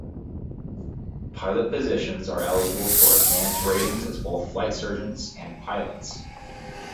Pilot-physicians are eligible for advanced ratings as both flight surgeons and pilots.